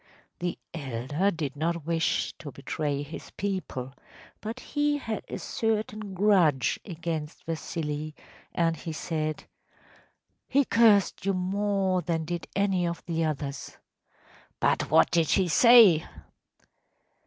‚ÄĚ The elder did not wish to betray his people, but he had a certain grudge against Vasili, and he said: “He cursed you more than did any of the others.‚ÄĚ “But what did he say?